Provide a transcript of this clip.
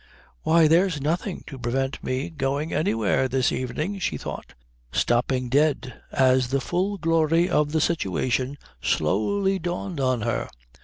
"Why, there's nothing to prevent me going anywhere this evening," she thought, stopping dead as the full glory of the situation slowly dawned on her.